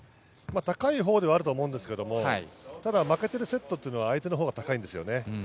高いほうではあると思うんですけど、負けているセット、相手のほうが高いんですよね。